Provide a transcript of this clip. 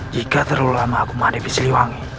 jika terlalu lama aku menghadapi siliwangi